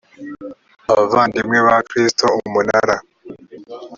abavandimwe ba kristo umunara